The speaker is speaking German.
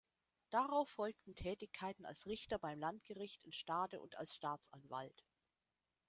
Darauf folgten Tätigkeiten als Richter beim Landgericht in Stade und als Staatsanwalt.